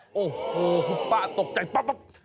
โอ้โหคุณป้าตกใจป๊อบป๊อบ